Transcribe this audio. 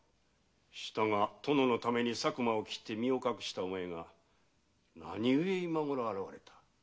したが殿のために佐久間を斬って身を隠したお前が何故今頃現れた？